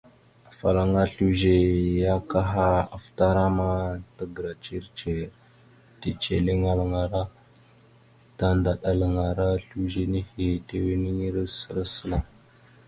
Afalaŋana slʉze ya kaha afətaràma tagəra ndzir ndzir ticeliŋalara tandaɗalalaŋara slʉze nehe tiweniŋire səla səla.